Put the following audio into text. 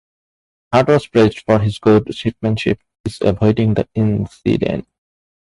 Hart was praised for his good seamanship is avoiding the incident.